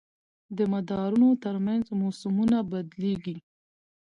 د مدارونو تر منځ موسمونه بدلېږي.